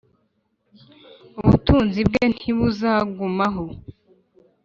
ubutunzi bwe ntibuzagumaho .